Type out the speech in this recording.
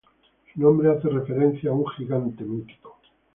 Su nombre hace referencia a un gigante mítico.